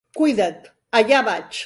Cuidat! Allà vaig!